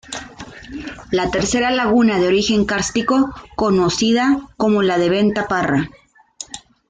La tercera laguna de origen kárstico, conocida como la de Venta Parra.